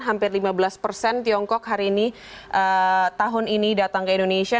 hampir lima belas persen tiongkok hari ini tahun ini datang ke indonesia